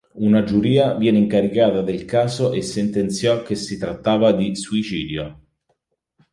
Una giuria venne incaricata del caso e sentenziò che si trattava di suicidio.